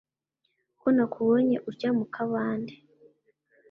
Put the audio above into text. Ko nakubonye urya mu kabande